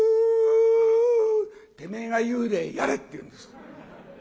てめえが幽霊やれっていうんです。